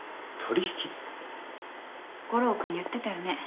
悟郎君言ってたよね？